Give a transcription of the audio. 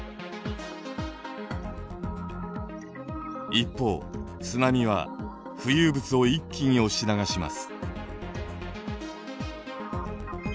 一方津波は浮遊物を一気に押し流します。